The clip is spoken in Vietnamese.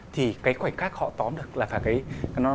thì cái khoảnh khắc họ tóm được là phải nói